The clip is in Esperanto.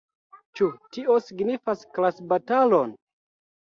Ĉu tio signifas klasbatalon?